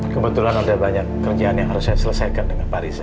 kebetulan ada banyak kerjaan yang harus saya selesaikan dengan paris